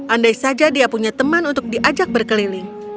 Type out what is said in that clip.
andai saja dia punya teman untuk diajak berkeliling